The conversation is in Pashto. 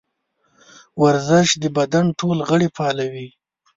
ورزش د بدن ټول غړي فعالوي.